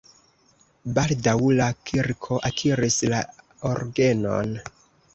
Baldaŭ la kirko akiris la orgenon.